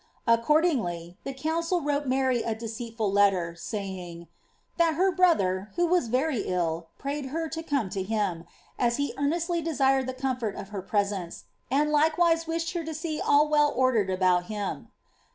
Accord* iligly, the council wrote Mary a deceitful letter, sayings ^ that her brother, who was very ill, prayed her to come to him, as he earnestly desired the comfort of her presence, and likewise wished tier to see all well ordered about him."